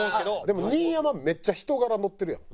でも新山めっちゃ人柄のってるやん。